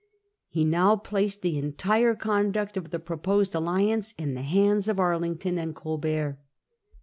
He now placed the entire conduct of the proposed alliance in the hands of Arlington and Colbert.